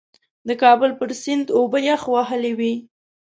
د کابل پر سیند اوبه یخ وهلې وې.